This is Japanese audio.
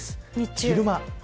昼間。